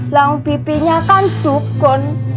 langu bibinya kan dukun